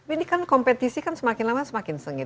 ini kan kompetisi kan semakin lama semakin sengit